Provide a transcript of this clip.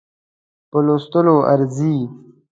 په لوستلو ارزي.